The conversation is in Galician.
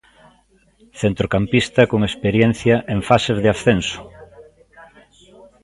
Centrocampista con experiencia en fases de ascenso.